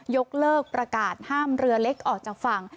ยกเลิกประกาศห้ามเรือเล็กออกจากฝั่ง